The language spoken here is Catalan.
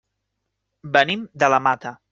Venim de la Mata.